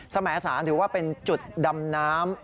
สมสารถือว่าเป็นจุดดำน้ำ